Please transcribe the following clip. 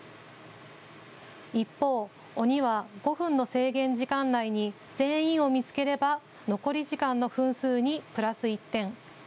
一方、鬼は５分の制限時間内に全員を見つければ残り時間の分数にプラス１点。